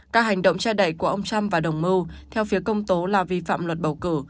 các hành động che đẩy của ông trump và đồng mưu theo phía công tố là vi phạm luật bầu cử